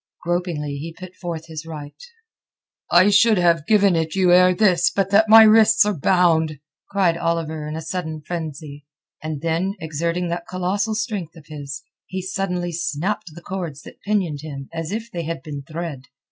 Gropingly he put forth his right. "I should have given it you ere this but that my wrists are bound," cried Oliver in a sudden frenzy. And then exerting that colossal strength of his, he suddenly snapped the cords that pinioned him as if they had been thread.